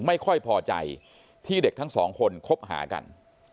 ไม่พอใจที่เด็กทั้งสองคนคบหากัน